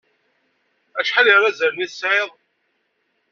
Acḥal n yirazalen ay tesɛid?